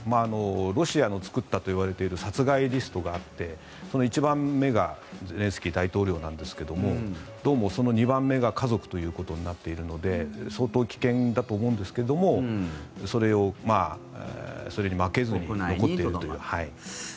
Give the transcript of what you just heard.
ロシアが作ったといわれている殺害リストがあってその１番目がゼレンスキー大統領なんですがどうもその２番目が家族ということになっているので相当危険だと思うんですけどそれに負けずに残っていると。